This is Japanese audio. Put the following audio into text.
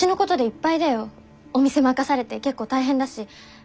お店任されて結構大変だし。